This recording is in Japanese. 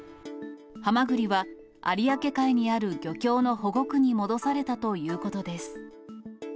ハマグリは有明海にある漁協の保護区に戻されたということです。